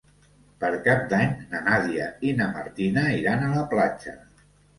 Per Cap d'Any na Nàdia i na Martina iran a la platja.